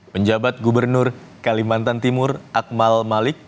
penjabat gubernur kalimantan timur akmal malik